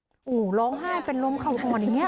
โอ้โหร้องไห้เป็นลมเข่าอ่อนอย่างนี้